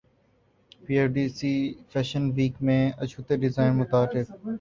پی F D C fashion week میں اچھوتے design متعارف